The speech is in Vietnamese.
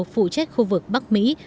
phụ trách khu vực bắc mỹ